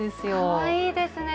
かわいいですね